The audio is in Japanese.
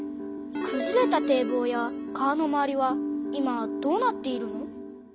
くずれた堤防や川の周りは今どうなっているの？